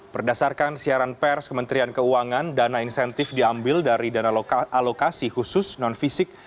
berdasarkan siaran pers kementerian keuangan dana insentif diambil dari dana alokasi khusus non fisik